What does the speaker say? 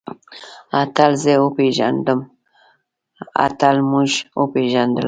اتل زه وپېژندلم. اتل موږ وپېژندلو.